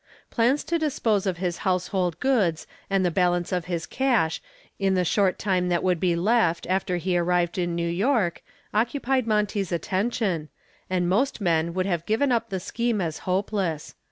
Plans to dispose of his household goods and the balance of his cash in the short time that would be left after he arrived in New York occupied Monty's attention, and most men would have given up the scheme as hopeless.